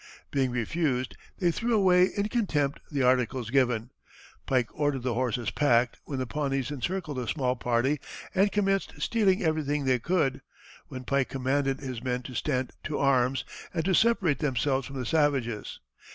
Being refused they threw away in contempt the articles given. Pike ordered the horses packed, when the Pawnees encircled the small party and commenced stealing everything they could, when Pike commanded his men to stand to arms, and to separate themselves from the savages.